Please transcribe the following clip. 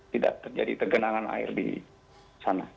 tidak terjadi kegenangan air di sana